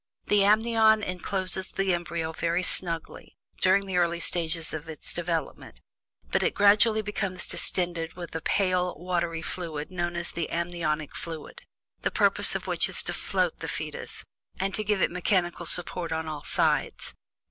The Amnion encloses the embryo very snugly during the early stages of its development, but it gradually becomes distended with a pale watery fluid, known as "the amniotic fluid," the purpose of which is to "float" the fetus and to give it mechanical support on all sides.